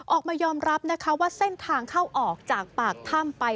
ออกมายอมรับนะคะว่าเส้นทางเข้าออกจากปากถ้ำไป